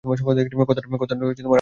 কথাটা আমাদের মধ্যেই থাকুক?